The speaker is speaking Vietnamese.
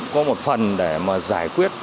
có một phần để mà giải quyết